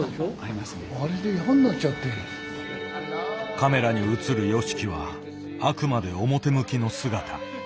カメラに映るＹＯＳＨＩＫＩはあくまで表向きの姿。